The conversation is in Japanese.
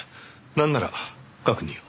なんなら確認を。